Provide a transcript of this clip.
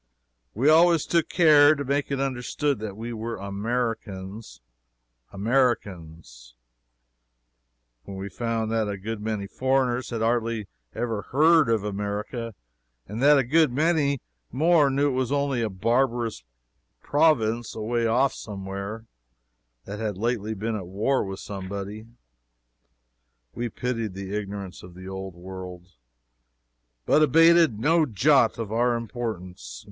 We always took care to make it understood that we were Americans Americans! When we found that a good many foreigners had hardly ever heard of America, and that a good many more knew it only as a barbarous province away off somewhere, that had lately been at war with somebody, we pitied the ignorance of the Old World, but abated no jot of our importance.